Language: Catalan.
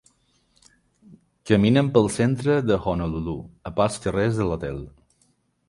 Caminen pel centre de Honolulu, a pocs carrers de l'hotel.